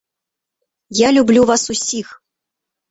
Я люблю вас усіх.